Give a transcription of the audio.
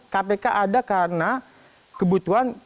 kpk ada karena kebutuhan